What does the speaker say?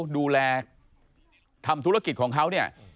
ดูแลทำธุรกิจของเขา